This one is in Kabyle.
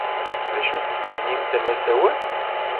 D accu tettmennim-t,a massawat?